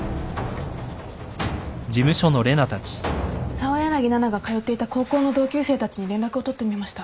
澤柳菜々が通っていた高校の同級生たちに連絡を取ってみました。